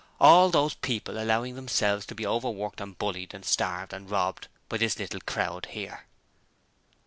'All those people allowing themselves to be overworked and bullied and starved and robbed by this little crowd here!'